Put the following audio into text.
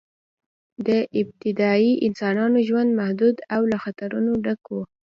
د ابتدایي انسانانو ژوند محدود او له خطرونو ډک و.